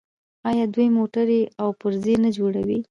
آیا دوی موټرې او پرزې نه جوړوي؟